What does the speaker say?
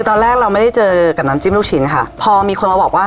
ตอนแรกเราไม่ได้เจอกับน้ำจิ้มลูกชิ้นค่ะพอมีคนมาบอกว่า